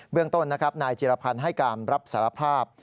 เรื่องต้นนะครับนายจิรพันธ์ให้การรับสารภาพ